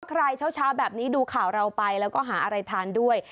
เช้าแบบนี้ดูข่าวเราไปแล้วก็หาอะไรทานด้วย